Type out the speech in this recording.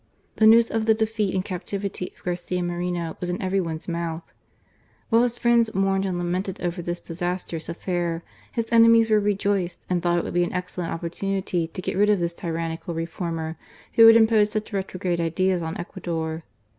The news of the defeat ^H and captivity of Garcia Moreno was in every one's ^H mouth. While his friends mourned and lamented ^H over this disastrous affair, his enemies were rejoiced ^H and thought it would be an excellent opportunity to ^H get rid of this tyrannical reformer, who had imposed ^H siich retrograde ideas on Ecuador.